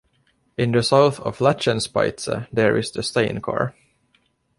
In the South of Lachenspitze, there is the Steinkar.